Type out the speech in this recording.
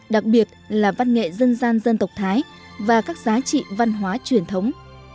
đặc biệt là văn nghệ dân gian dân tộc thái và các giá trị văn hóa truyền thống